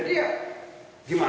dia tidak mau ditembak